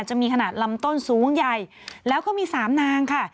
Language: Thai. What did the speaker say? จะมีขนาดลำต้นสูงใหญ่แล้วก็มี๓นางค่ะ